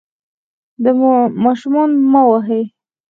ماشومان مه وهئ.